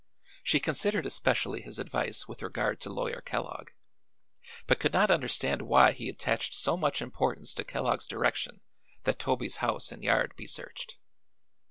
She considered especially his advice with regard to Lawyer Kellogg, but could not understand why he attached so much importance to Kellogg's direction that Toby's house and yard be searched.